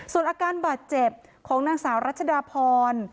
ส่วนอาการบาดเจ็บของนางสาวรัชดาพร